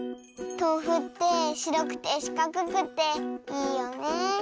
とうふってしろくてしかくくていいよねえ。